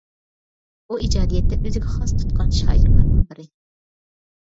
ئۇ ئىجادىيەتتە ئۆزىگە خاس تۇتقان شائىرلارنىڭ بىرى.